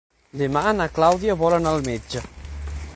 Demà na Clàudia vol anar al metge.